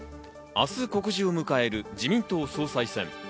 明日、告示を迎える自民党総裁選。